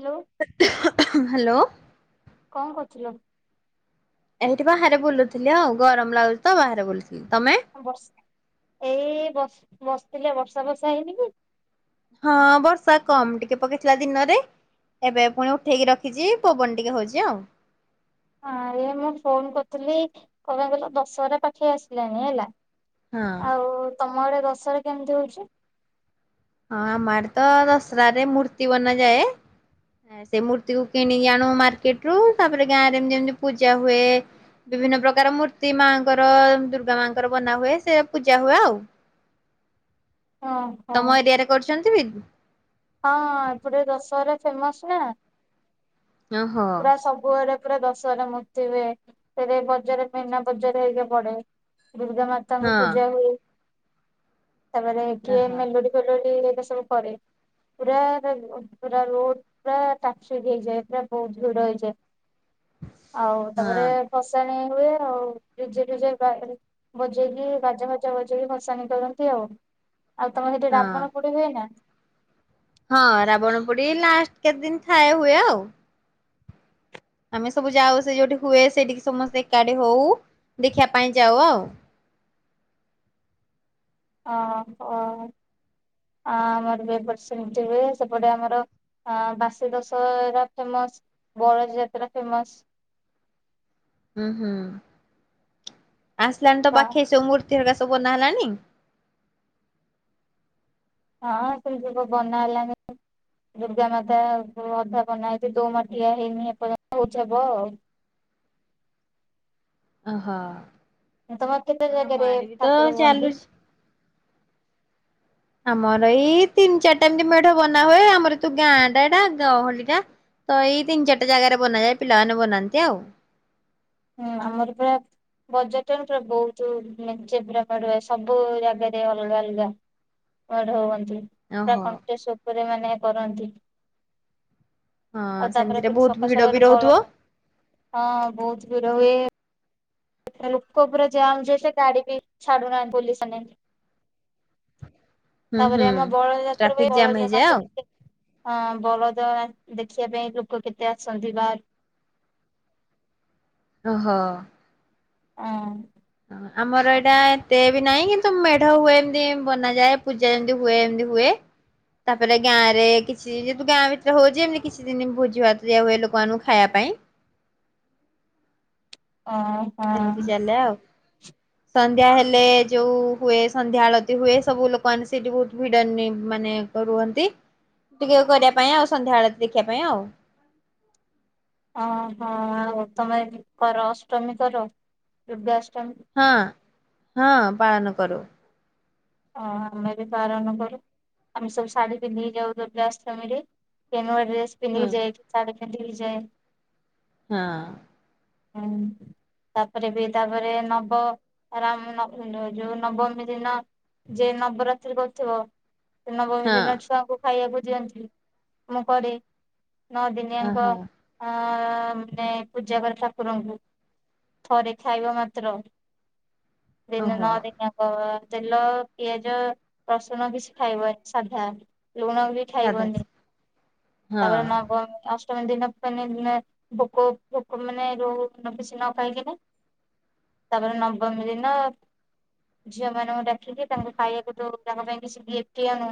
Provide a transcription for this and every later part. Hello [inaudible] hello. କଣ କରୁଥିଲ? ଏଇଠି ବାହାରେ ବୁଲୁଥିଲି ଆଉ ଗରମ ଲାଗୁଛି ତ ବାହାରେ ବୁଲଥିଲି। ବସ ଏଇ ବସ ବସିଥିଲି ଆଉ ବର୍ଷା ବର୍ଷା ହେଇନି କି? ହଁ ବର୍ଷା କମ୍ ଟିକେ ପକେଇଥିଲା ଦିନରେ ଏବେ ପୁଣି ଉଠେଇକି ରଖିଛି ପବନ ଟିକେ ହଉଛି ଆଉ। ହଁ ଏଇ ମୁଁ ଫୋନ୍ କରିଥିଲି କଣପାଇଁ କହିଲ ଦଶହରା ପାଖେଇ ଆସିଲାଣି ହେଲା। ହଁ। ଆଉ ତମ ଆଡେ ଦ [unintelligible] କେମିତି ହଉଛି। ହଁ ଆମ ଆଡେ ତ ହଁ ହଁ ତମ ଏରିିଆରେ କରୁଛନ୍ତି? [inaudible] ହଁ ଏପଟେ ଦଶହରା ଫେମସ ନାଁ। ଓହୋ ପୁରା ସବୁଆଡେ ପୁରା ଦଶହରା ମୂର୍ତି ହୁଏ ସେଥିପାଇଁ ବଜାର ମୀନା ବଜାର ହେରିକା ପଡେ ଦୁର୍ଗା ହଁ ମାତାଙ୍କ ପୂଜା ହୁଏ। ତାପରେ କିଏ ଓହୋ ମେଲୋଡି ଫେଲୋଡି ଦଶମ ପରେ ପୁରା ପୁରା ରୋଡ ପୁରା [unintelligible] ହେଇଯାଏ ପୁରା ବହୁତ ଭିଡ ହେଇଯାଏ। ଆଉ ହଁ। ତାପରେ ଫସାଣି ହୁଏ ଆଉ ଡିଜେ ଡ଼ିଜେ ବା ବଜେଇକି ବାଜା ଫଜା ବଜେଇକି ଭସାଣି କରନ୍ତି ଆଉ। ଆଉ ତମର ହେଠି ହଁ ରାବଣ ପୋଡି ହୁଏ ନାଁ? ହଁ ରାବଣ ପୋଡି ଲାଷ୍ଟ କେତେ ଦିନ ଥାଏ ହୁଏ ଆଉ। ଆମେ ସବୁ ଯାଉ ସେ ଯୋଉଠି ହୁଏ ସେଠିକି ସମସ୍ତେ ଏକାଠି ହଉ ଦେଖିବା ପାଇଁ ଯାଉ ଆଉ। ଓ ହ ଆମର ଭି ଏପଟେ ସେମିତି ହୁଏ ସେପଟେ ଆମର ବାସି ଦଶହରା ଫେମସ, ବଳଦ ଯାତ୍ରା ଫେମସ। ହୁଁ ହୁଁ। ଆସିଲାଣି ତ ପାଖେଇ ସ। [unintelligible] କେ ଏରା ସବୁ ବନା ହେଲଣି। ହଁ ସେ ସବ ବନା ହେଲାନି ଦୁର୍ଗା ମାତା ଅଧା ବନା ହେଇଛି ଦୋମାଠିଆ ହେଇନି ଏପର୍ଯ୍ୟନ୍ତ ଉଛବ ଆଉ। ଅହୋ। ତମର କେତେ ଜାଗାରେ ଠାକୁର ହୁଅନ୍ତି? ଚାଲୁଛି ଆମର ଏଇ ତିନି ଚାରିଟା ଏମିତି ମେଢ ବନା ହୁଏ ଆମର ତୁ ଗାଁ ଟା ଏଇଟା ଗ ଅଲଗା ଟା ତ ଏଇ ତିନି ଚାରିଟା ଜାଗାରେ ବନାଯାଏ ପିଲାମାନେ ବନାନ୍ତି ଆଉ। ହୁଁ ଆମର ପୁରା ବଜାର ଟ ପୁରା ବହୁତେ ପୁରା [unintelligible] ସବୁ ଜାଗାରେ ଅଲଗା ଅଲଗା ମେଡ ହୁଅନ୍ତି। ନ୍ତୀ ପୁରା ଓହୋ। କଣ୍ଟେଷ୍ଟ ଉପରେ ମାନେ କରନ୍ତି। ହଁ ଆଉ ତାପରେ ସେମିତିରେ ଫୁଣି ବହୁତ ସକାଳୁ ଭିଡ ବି ସକାଳୁ ରହୁଥିବ ବଳଦ ହଁ ବହୁତ ର ହୁଏ। ଲୁକ ପୁରା ଯାମ ଯେ ସେ ଗାଡି ବିି ଛାଡୁ ନାନ୍ତି ପୋଲିସମାନେ। ହୁଁ ତାପରେ ହୁଁ। ଆମର ବଡ଼ ଯାତ୍ର ଟ୍ରାଫିକ ପାଇଁ ବଡ ଜାମ୍ ଜ ହେଇଯାଏ ମାଛ ଆଉ ଟିକେ ହଁ ବଳଦ ଦେଖିବା ପାଇଁ ଲୋକ କେତେ ଆସନ୍ତି ବାହାରୁ। ଅ ହୋ। ହଁ। ଆମର ଏଇଟା ଏତେ ବି ନାହିଁ କିନ୍ତୁ ମେଢ ହୁଏ ଏମିତି ବନାଯାଏ ପୂଜା ଯେମତି ହୁଏ ଏମତି ହୁଏ ତାପରେ ଗାଁ ରେ କିଛି ଯେତୁ ଗାଁ ଭିତରେ ହଉଛି ଏମତି କିଛି ଦିନ ଭୋଜି ଭାତ ଦଆ ହୁଏ ଲୋକମାନାନଙ୍କୁ ଖାଇବା ପାଇଁ। ଅଁ ସେମିତି ହଁ ଚାଲେ ଆଉ। ସନ୍ଧ୍ୟା ହେଲେ ଯୋଉ ହୁଏ ସନ୍ଧ୍ୟା ଆଳତି ହୁଏ ସବୁ ଲୋକମାନେ ସେଠି ବହୁତ ଭିଡ଼ନ ମାନେ ରୁହନ୍ତି ଟିକେ କରିବା ପାଇଁ ଆଉ ସନ୍ଧ୍ୟା ଆଳତି ଦେଖିବା ପାଇଁ ଆଉ। ଓହୋ ଆଉ ତମେ କର ଅଷ୍ଟମୀ କର ଦୁର୍ଗାଷ୍ଟ ହଁ। ହଁ ପାଳନ କରୁ। ଓ ଆମେ ବି ପାାରନ କରୁ ଆମେ ସବୁ ଶାଢୀ ପିନ୍ଧିକି ଯାଉ ଦୁର୍ଗଶ୍ରମୀରେ କେୁଆ ଡ୍ରେସ ହଁ ପିନ୍ଧିକି ଯାଇକି ଶାଢ଼ୀ [unintelligible] ଯାଏ। ହଁ। ହୁଁ ତାପରେ ବି ତାପରେ ନବ ରାମ ଯୋଉ ନବମୀ ଦିନ ଯେ ନବରାତ୍ରି କହୁଥିବ। ନବମୀ ହଁ ଦିନ ଛୁଆଙ୍କୁ ଖାଇବାକୁ ଦିଅନ୍ତି ମୁ କରି ନଅ ଦିନିଆଙ୍କ ଓହୋ ଅ ମାନେ ପୂଜା କରେ ଠାକୁରଙ୍କୁ ଥରେ ଖାଇବ ମାତ୍ର ଦିନେ ନ ଓହୋ ଦିନ ଆ କ ତେଲ ପିଆଜ ରସୁଣ ବି ସେ ଖାଇବନ ସାଧା ଲୁଣ ବି ସାଧା ଖାଇବନି ହଁ ତାପରେ ମାଗ ଅଷ୍ଟମୀ ଦିନ ମାନେ ଭୋକ ଭୋକ ମାନେ ରହୁ କିଛି ନ ଖାଇକନା ତାପରେ ନବମୀ ଦିନ ଝିଅ ମାନଙ୍କୁ ଡାକିକି ତାଙ୍ଗ ଖାଇକୁ ତୁ ତାଙ୍କ ପାଇଁ କି ଗିଫ୍ଟି ଆଣୁ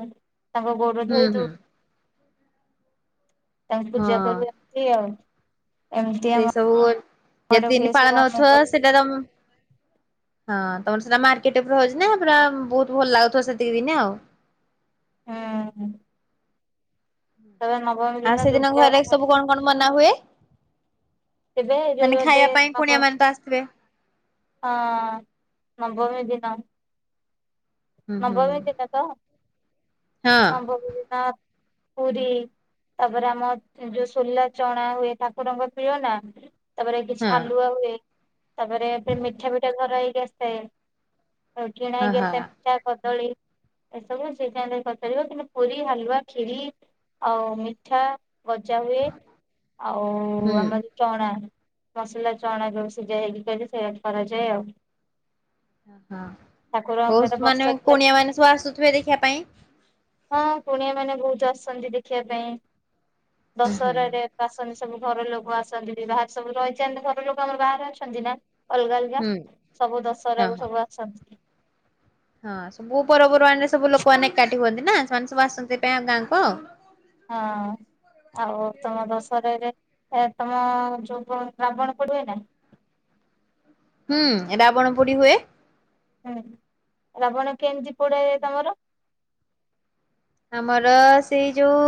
ତାଙ୍କ ଗୋର ହୁଁ ଧୋଇ ଦଉ ହୁଁ ତାଙ୍କୁ ପୂଜା କର ଆଛି ଆଉ। ଏମିତି ସେ ଆମ ସବୁ ଯେ ଘରେ ହୁଏ ତିନି ସବୁ ପାଳନ ଆମେ ହଉଥିବା ହୁଁ ସେଟାର ହଁ ତମର ସେଟା ମକେଟ ଉପ ହଉଛି ନା ପୁରା ବହୁତ ଭଲ ଲାଗୁିବ ସେତିକି ବି ଆଉ ହଁ। ଆଉ ଦିନ ସେଦିନ ଦୁର୍ଗା ଘରେ ସବୁ କଣ କଣ ମନା ହୁଏ? ଥିବେ ଯୋଉ ମାନେ ଏବେ ଖାଇବା ପାଇଁ କୁଣିଆ ନବ ମାନେ ତ ଆସିଥିବେ। ହଁ ମ ଭୂମି ଦିନ ହୁଁ ହୁଁ ନବମୀ ଦିନ ତ ହଁ ସମ୍ଭବ। ପୁରୀ ତାପରେ ଆମ ଯୋଉ ସୋଲା ଚଣା ହୁଏ ଠାକୁରଙ୍କ ପ୍ରିୟନା ତାପରେ ହଁ କିଛି ହାଲୁଆ ହୁଏ। ତାପରେ ଏ ମିଠା ଫିଠା [unintelligible] ବ୍ୟସ୍ତ ହେଇ ରଉ କିଣା ହ ହ ସେ ମିଠା କଦଳୀ ଏସବୁ ସେିଜ କରିଚାରିବ କିନ୍ତୁ ପୁରୀ ହାଲୁଆ ଖିରି ଆଉ ମିଠା ଗଜା ହୁଏ ଆଉ ହୁଁ। ଆମର ଚଣା ମସଲା ଚଣା ଯଉ ସିଝା ହେଇକି ସେଇଆ କରାଯାଏ ଆଉ। ହଁ ଠାକୁରଙ୍କ ହଉସ ସହିତ ମ ମାନେ ବର୍ଷା ଥିଲା କୁଣିଆ ମାନେ ସବୁ ଆସୁଥିବେ ଦେଖିବା ପାଇଁ। ହଁ କୁଣିଆ ମାନେ ବହୁତ ଆସୁଛନ୍ତି ଦେଖିବା ପାଇଁ। ହୁଁ ହୁଁ ଦଶହରାରେ କସନଶି ସବୁ ଘର ଲୋକ ଆସନ୍ତି ବି ବାହାରେ ସବୁ ରହି ଘର ଲୋକ ଆମର ବାହାରେ ଅଛନ୍ତି ନା। ଅଲଗା ଅଲଗା ହୁଁ ସବୁ ହଁ ଦଶହରାକୁୁ ହଁ। ସବୁ ଆସନ୍ତି। ହଁ ସବୁ ପର୍ବପର୍ବାଣି ରେ ସବୁ ଲୋକମାନେ କାଟି ହୁଅନ୍ତି ନା ମସ ବାସନ୍ତିଥି ପାଇଁ ଆଉ ଗାଁକୁ ଆଉ ହଁ। ଆଉ ତମ ଦଶହରରେ ତମ ଯୋଉ ରାବଣ ପୋଡିବ ନା? ହୁଁ ରାବଣ ପୋଡି ହୁଏ। ହୁ ରାବଣ କେମିତି ପୋଡାଯାଏ ତମର? ଆମର ସେଇ ଯୋଉ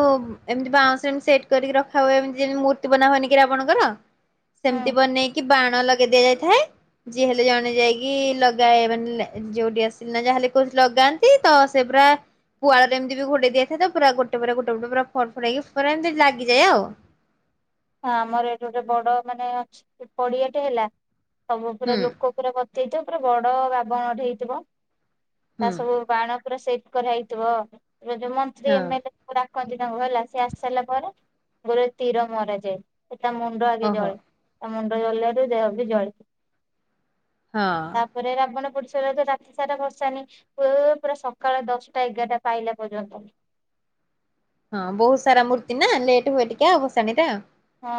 ଏମିତି ବାଉଁଶ ସେଟ କରିକି ରଖା ହଏମତି ଯେମିତି ମୂର୍ତ୍ତି ବନା ହନ ଆପଣଙ୍କର ହୁଁ ସେମିତି ବନେଇକି ବାଣ ଲଗା। ଦିଆଯାଇଥାଏ ଯିଏ ହେଲେ ଜଣେ ଯାଇକି ଲଗ ମ ଯୋଉଠି ଆସିଲି ନା ଯାହାଲେ କି ଲଗାନ୍ତି ତ ସେ ପୁରା ପୁ ଏମତି ବି ଘୋଡେଇ ଦିଆଥାଏ ତ ପୁରା ଗୋଟେ ପା ଗୋଟେ ପଟେ ପୁର ଫଟ ଫଡେଇକି ପରା ଏମିତି ଲାଗିଯାଏ ଆଉ। ହ ଆମର ଏଠି ଗୋଟେ ବଡ ମାନେ ଅଛି ପଡିଆଟେ ହେଲା। ସବୁ ପୁରା ହୁଁ ଲୋକ ପୁରା ସେଇଟା ଉପରେ ବଡ ବାାବଣଟ ହେଇଥିବ। ହୁଁ ତା ସବୁ ବାଣ ସେଇପ କର ହେଇଥିବ। ରୋ ମନ୍ତ୍ରୀ ହଁ ଏମଏଲ କଞ୍ଚ ଟଙ୍ଗ ହେଲା ସି ଆସି ସାରିଲା ପରେ ଗୋର ତୀର ମରା ହୁ। ସେ ତା ମୁଣ୍ଡ ଆଗେ ଓହୋ ଜଳେ ତା ମୁଣ୍ଡ ଜଳୁ ଦେହ ବି ଜଳଛି। ହଁ। ତାପରେ ରାବଣ ପଡିୁଛି। ରାତି ସାରା ବସାନି ପୁରା ସକାଳ ଦଶଟା ଏଗାରଟା ପାଇଲା ପର୍ଯ୍ୟନ୍ତ। ହଁ ବହୁତ ସାରା ମୂର୍ତ୍ତି ନା ଲେଟ୍ ହୁଏ ଟିକେ ଅବସଣୀରେ ଆଉ। ହଁ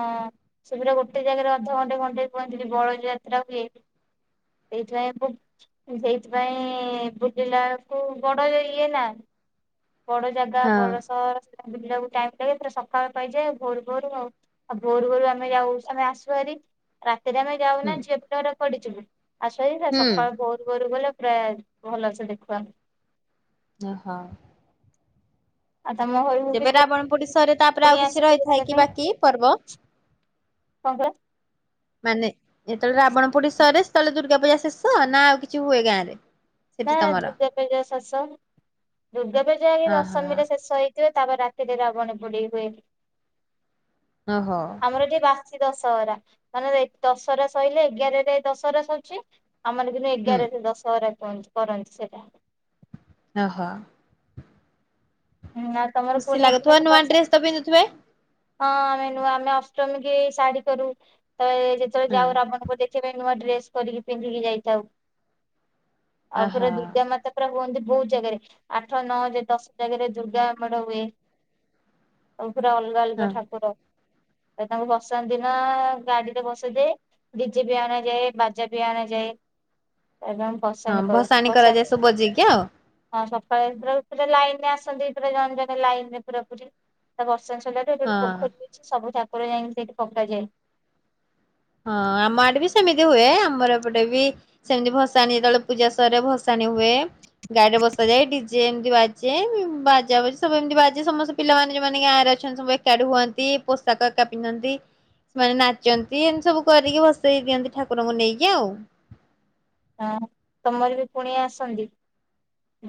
ସେ ପୁର ଗୋଟେ ଜାଗାରେ ଅଧଘଣ୍ଟେ ଘଣ୍ଟେଇ ପହଞ୍ଚଥିଲି ବଡୋ ଯାତ୍ରା ହୁଏ ସେଇଥିପାଇଁ ସେଇଥିପାଇଁ ବୁଲିଲା କୁ ବଡୋ ଇଏ ନା? ବଡ ଜାଗା ହଁ ବଡ ସହର ବକୁ ଟାଇ ଲାଗୋ ସକାଳ ପାଇଯାଏ ଭୋର ଭୋରୁ ଆଉ ଆଉ ଭୋର ଭୋରୁ ଆମେ ଯାଉ ଆମେ ଆସୁାହାରି। ସେ ଆମେ ଯାଉ ହୁଁ ନା ଝିଅ ପିଲା ଗୁଡା। ପଡ଼ିଚୁ ନା? ଆସିଲେ ଦିନେ ହୁଁ ସକାଳୁ ଭୋରୁ ଭୋରୁ ଗଲେ। ପେର୍ ଭଲସେ ଦେଖିବାନ୍। ଓ ହଁ। ଆଉ ତମ ଘରକୁ ବି ଯେବେ ରାବଣ ପୋଡି ସରିଲ୍। ତାପରେ ଆଉ କୁଣିଆ କିଛି ଆସନ୍ତି ରହିଥାଏ ଦେଖିବା କି ପାଇଁ ବାକି ପର୍ବ? କଣ କହିଲ ମାନେ ଯେତେବେଳେ ରାବଣ ପୋଡି ସରେ ସେତେବେଳେ ଦୁର୍ଗା ପୂଜା ଶେଷ ନା ଆଉ କିଛି ହୁଏ ଗାଁ ରେ? ନା ସେଠି ତମର ଦୁର୍ଗା ପୂଜା ଶେଷ, ଦୁର୍ଗା ପୂଜା ଓହୋ ଦଶମୀରେ ଶେଷ ହେଇଯିବ। ତାପରେ ରାତିରେ, ରାବଣ ପୋଡ଼ି ହୁଏ। ଓହୋ ଆମର ଯେ ବାସିତ୍। ଦଶହରା ମାନେ ଦଶହରା ସଇଲେ, ଏଗାରରେ ଦଶହରା ସରୁଛି। ଆମାନେ ଦିନୁ ହୁଁ ଏଗାର ରେ ଦଶହରା । କଣ? କରନି ସେଟା । ଓ ହୋ। ନା ତମର ଖୁସି କୁଣିଆ ଫୁଣିଆ ଲାଗୁଥିବ ସବୁ ନୂଆ ଆସନ୍ତି? ଡ୍ରେସ ତ ପିନ୍ଧୁଥିବେ? ହଁ ଆମେ ନୁହଁ ଆମେ ଅଷ୍ଟମୀ କି ଶାଢୀ କରୁ। ତ ଯେତେବେଳେ ହଁ ଯାଉ ରାବଣ ପୋଡି ଦେଖିବା ପାଇଁ ନୂଆ ଡ୍ରେସ ଡ୍ରେସ୍ କରିକି ପିନ୍ଧିକି ଯାଇଥାଉ। ଆଉ ପୁରା ଓହୋ। ଦୁର୍ଗା ମାତା ପୁରା ହୁଅନ୍ତି। ବହୁତ ଜାଗାରେ ଆଠ, ନଅ, ଦଶ ଜାଗାରେ ଦୁର୍ଗା ଆମର ହୁଏ ହଉ। ପୁରା ଅଲଗା ଅଲଗା ହଁ ଠାକୁର। ତାଙ୍କୁ ବସାନ୍ତି ନା ଗାଡିରେ ବସେଇଦେ ଡିଜେବି ଆଣାଯାଏ ବାଜାବି ଆଣାଯାଏ। ହଁ ଭସାଣି କରାଯାଏ ସବୁ ବଜେଇକି ଆଉ। ହଁ ଇମିତିରେ ତ ଲାଇନରେ ଆସନ୍ତି। ଜ ଜେ ଲାଇନରେ ପୁରା ପୁରୀ ତ ବ ସେଠୁ ସରିଲାଠୁ ଏଠି ଗୋଟେ ହଁ। ପୋଖରୀ ହେଉଛି ସବୁଯାକ ଠାକୁର ଯାଇକି ସେଇଠି ପକାଯାଏ। ହଁ ଆମ ଆଡେ ବି ସେମିତି ହୁଏ, ଆମର ଏପଟେ ବି ସେମିତି ଭସାଣି ଯେତେବେଳେ ପୂଜା ସରେ ଭସାଣି ହୁଏ, ଗାଡ଼ିରେ ବସାଯାଏ, ଡିଜେ ଏମିତି ବାଜେ, ବାଜା ବାଜେ ସବୁ ଏମିତି ବାଜେ ସମସ୍ତେ ପିଲାମାନେ ସବୁ ଏମିତି ଗାଁ ରେ ଅଛନ୍ତି ସବୁ ଏକାଠି ହୁଅନ୍ତି, ପୋଷାକ ଏକା ପିନ୍ଧନ୍ତି ମାନେ ନାଚନ୍ତି ଏମିତି ସବୁ। ସବୁ କରିକି ଭସେଇ ଦିଅନ୍ତି ଠାକୁରଙ୍କୁ ନେଇକି ଆଉ। ହଁ ତମର ବି କୁଣିଆଁ ଆସନ୍ତି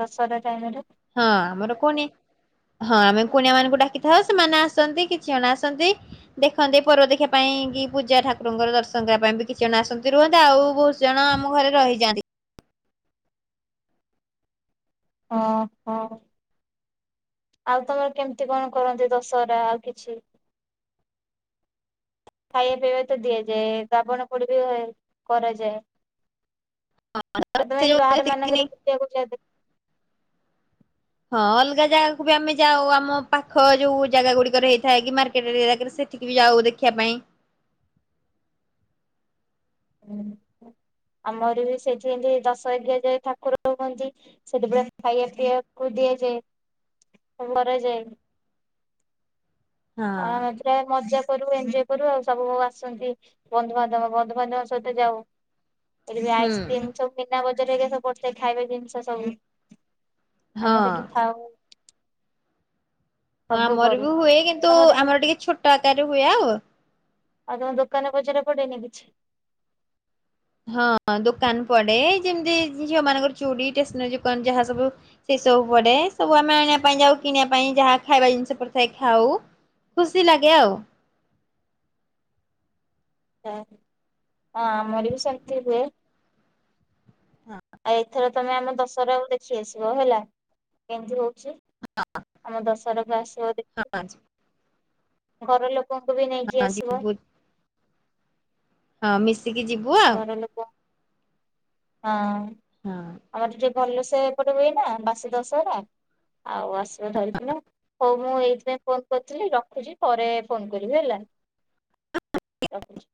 ଦଶରା ଟାଇମରେ ହଁ ଆମର ପୁଣି ହଁ ଆମେ କୁଣିଆ ମାନଙ୍କୁ ଡାକିଥାଉ ସେମାନେ ଆସନ୍ତି କିଛି ଜଣ ଆସନ୍ତି, ଦେଖନ୍ତି ପରବ ଦେଖିବା ପାଇଁ କି, ପୂଜା ଠାକୁରଙ୍କର ଦର୍ଶନ କରିବା ପାଇଁ କି କିଛି ଜଣ ଆସନ୍ତି ରୁହନ୍ତି, ଆଉ ବହୁତ୍ ଜଣ ଆମ ଘରେ ରହିଯାଆନ୍ତି। ହଁ ହଁ ଆଉ ତମର କେମିତି କଣ କରନ୍ତି ଦଶହରା ଆଉ କିଛି? ଖାଇବା ପିଇବା ତ ଦିଆଯାଏ ରାବଣ ପୋଡି ବି କରାଯାଏ। ଆ ତ ସେ ଯୋଉ ଏତି ବାହାର ଯେତିକି ଦିନି ମାନଙ୍କରେ ଖୁଚିବା ହଁ ଅଲଗା ଜାଗାକୁ ବି ଆମେ ଯାଉ ଆମ ପାଖ ଯୋଉ ଜାଗା ଗୁଡିକରେ ହେଇଥାଏ କି ମାର୍କେଟ ସେଠିକି ବି ଯାଉ ଦେଖିବା ପାଇଁ। ଆମର ବି ସେଥି ଦଶ ଏଜ୍ଞ ଯାଏ ଠାକୁର ହୁଅନ୍ତି ସେଠବେଳେ ଖାଇବା ପିଇବାକୁ ଦିଆଯାଏ କରାଯାଏ। ହଁ ଆ ତ୍ର ମଜା କରୁ ଏଜୟ କରୁ ଆଉ ସବୁ ଆସନ୍ତି ବନ୍ଧୁବାନ୍ଧବ ବନ୍ଧୁବାନ୍ଧବ ସହିତ ଯାଉ। ଏ ହୁଁ ଆଇସ୍କ୍ରିମ ଚମିନା ବ ଏକା ପଡ଼ିଥାଏ ସବୁ ଖାଇବା ଜିନିଷ ସବୁ ହଁ। ଆମେ ସେଠୁ ଥାଉ। ହଁ ସବୁ ଆମର କରୁ ବି ହୁଏ କିନ୍ତୁ ତମର ବି ଆମର ଟିକେ ଛୋଟ ଆକାରରେ ହୁଏ ଆଉ। ଆଉ ତମ ଦୋକାନ ପଚାର ପଡେଇନି କିଛି ହଁ ଦୋକାନ ପଡେ ଯେମିତି ଝିଅ ମାନଙ୍କର ଚୁଡ଼ି େସନାରୀ ଦୋକାନ ଯାହା ସବୁ ସେ ସବୁ ପଡେ ସବୁ ଆମେ ଆଣିବା ପାଇଁ ଯାଉ କିଣିବା ପାଇଁ ଯାହା ଖାଇବା ଜିନିଷ ପଡ଼ିଥାଏ ଖାଉ ଖୁସି ଲାଗେ ଆଉ। ହମରି ବି ସଙ୍ଗତିିବ ଆଉ ଏଥର ତମେ ଆମ ଦଶହରାକୁ ଦେଖି ଆସିବ ହେଲା କେମତି ହଉଛି। ଆମ ଦଶହରାକୁ ବାସ୍ ହଁ। ଘର ଲୋକ ଲୋକଙ୍କୁ ବି ନେଇକି ହଁ ଆସିବ ଯିବୁ ଆ ମିସ୍ କି ଯିବୁ ଆଉ। ଘର ଲୋକ ହଁ। ହଁ। ଆମର ଟିକେ ଭଲସେ ଏପଟେ ହୁଏନା ବାସି ଦଶହରା ଆଉ ଆସିବ ଧରିକିନା ହୋଉ ମୁଁ ଏଇଥିପାଇଁ ଫୋନ କରିଥିଲି ରଖୁଚି ପରେ ଫୋନ କରିବି ହେଲା ରଖୁଚି